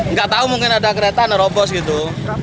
nggak tahu mungkin ada kereta nerobos gitu